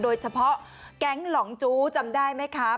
โดยเฉพาะแก๊งหลองจู้จำได้ไหมคะ